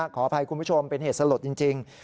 ขออภัยคุณผู้ชมเป็นเหตุสลดจริง